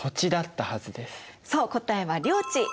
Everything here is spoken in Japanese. そう答えは領地。